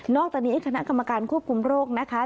อกจากนี้คณะกรรมการควบคุมโรคนะคะ